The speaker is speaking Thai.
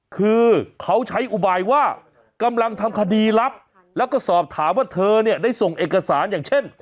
คือเขาใช้อุบายว่ากำลังทำคดีลับแล้วก็สอบถามว่าเธอเนี่ยได้ส่งเอกสารอย่างเช่น